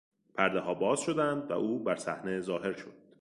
پردهها باز شدند و او برصحنه ظاهر شد.